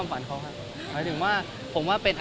ครับครับครับครับครับครับครับครับครับครับครับครับครับครับครับ